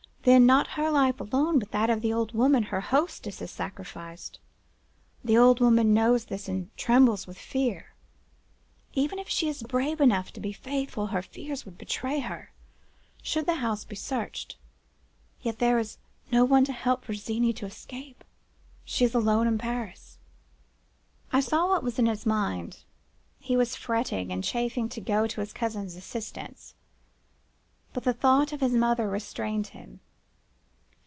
Then, not her life alone, but that of the old woman, her hostess, is sacrificed. The old woman knows this, and trembles with fear. Even if she is brave enough to be faithful, her fears would betray her, should the house be searched. Yet, there is no one to help Virginie to escape. She is alone in Paris.' "I saw what was in his mind. He was fretting and chafing to go to his cousin's assistance; but the thought of his mother restrained him.